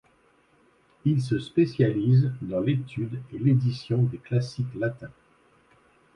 Il se spécialise dans l'étude et l'édition des classiques latins.